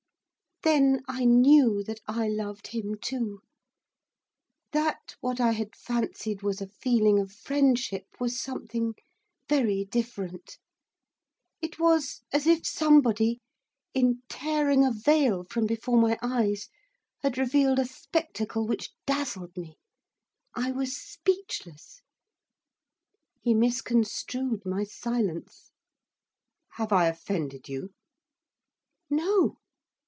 Then I knew that I loved him too. That what I had fancied was a feeling of friendship was something very different. It was as if somebody, in tearing a veil from before my eyes, had revealed a spectacle which dazzled me. I was speechless. He misconstrued my silence. 'Have I offended you?' 'No.